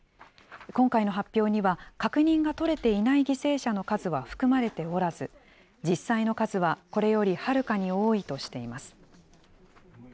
今回の発表には、確認が取れていない犠牲者の数は含まれておらず、実際の数はこれよりはるかに多いとしています。